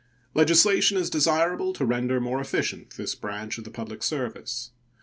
Legislation is desirable to render more efficient this branch of the public service.